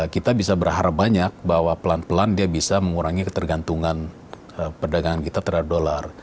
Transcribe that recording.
kita bisa berharap banyak bahwa pelan pelan dia bisa mengurangi ketergantungan perdagangan kita terhadap dolar